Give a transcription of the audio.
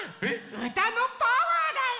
うたのパワーだよ。